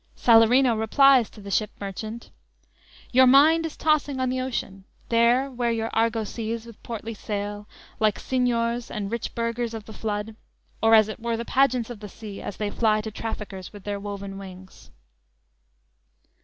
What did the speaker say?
"_ Salarino replies to the ship merchant: _"Your mind is tossing on the ocean; There, where your argosies, with portly sail Like signiors and rich burghers of the flood, Or, as it were, the pageants of the sea As they fly to traffickers with their woven wings."